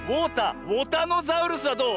ウォタノザウルスはどう？